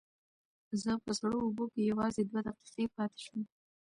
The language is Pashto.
زه په سړو اوبو کې یوازې دوه دقیقې پاتې شوم.